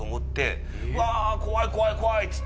「怖い怖い！」